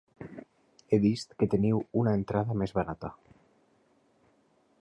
He vist que teniu una entrada més barata.